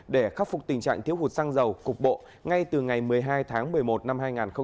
để khắc phục tình trạng thiếu hụt xăng dầu cục bộ ngay từ ngày một mươi hai tháng một mươi một năm hai nghìn hai mươi